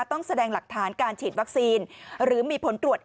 ต้องแสดงหลักฐานการฉีดวัคซีนหรือมีผลตรวจ